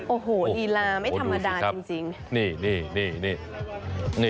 โอ้โหลีลาไม่ธรรมดาจริง